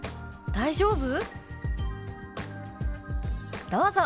大丈夫？」。